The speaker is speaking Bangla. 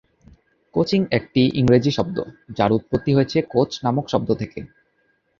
কোচিং একটি ইংরেজি শব্দ, যার উৎপত্তি হয়েছে "কোচ" নামক শব্দ থেকে।